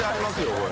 これ。